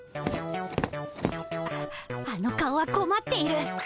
あっあの顔はこまっている。